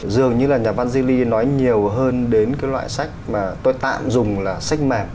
dường như là nhà vangeli nói nhiều hơn đến cái loại sách mà tôi tạm dùng là sách mạng